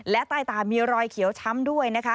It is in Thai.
และใต้ตามีรอยเขียวช้ำด้วยนะคะ